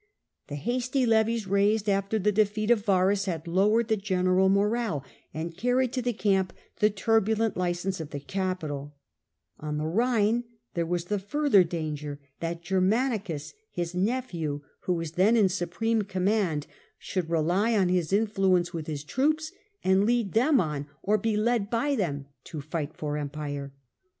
The hasty levies raised after the defeat of Varus had lowered the general morale^ and carried to the camp the turbulent license of the capital On the Rhine there was the further danger that Germani cus, his nephew, who was then in supreme command, Claim to succeed based 00 adoption and tribuoicia potestas. A.D. I4 37 Tiberius. 4 ? should rely on his influence with his troops and lead them on, or be led by them, to fight for empire.